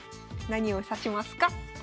何を指しますか？